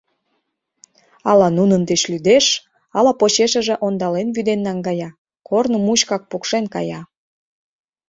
Ала нунын деч лӱдеш, ала почешыже ондален вӱден наҥгая — корно мучкак пукшен кая.